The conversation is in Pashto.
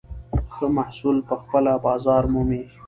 ښه محصول پخپله بازار مومي.